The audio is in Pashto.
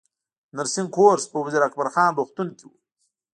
د نرسنګ کورس په وزیر اکبر خان روغتون کې و